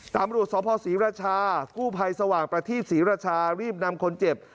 ตำรวจสภศรีราชากู้ภัยสว่างประทีปศรีราชารีบนำคนเจ็บ